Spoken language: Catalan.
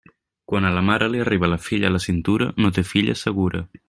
Quan a la mare li arriba la filla a la cintura, no té filla segura.